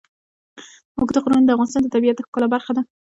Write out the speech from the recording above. اوږده غرونه د افغانستان د طبیعت د ښکلا برخه ده.